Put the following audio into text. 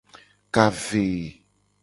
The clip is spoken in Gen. Ka ve.